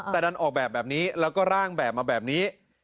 แต่ดันออกแบบแบบนี้แล้วก็ร่างแบบมาแบบนี้